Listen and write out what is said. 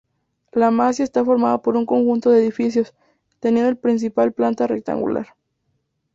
La Masía está formada por un conjunto de edificios, teniendo el principal planta rectangular.